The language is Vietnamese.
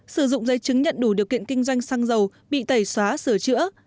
sử dụng giấy chứng nhận đủ điều kiện kinh doanh xăng dầu bị tẩy xóa sửa chữa